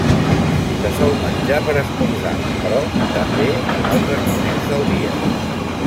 Se sol menjar per esmorzar, però també en altres moments del dia.